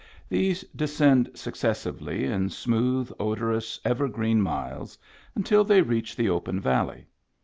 These descend successively in smooth, odorous, evergreen miles until they reach the open valley.